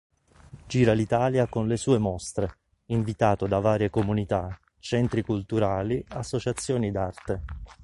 Gira l'Italia con le sue mostre, invitato da varie comunità, centri culturali, associazioni d'arte.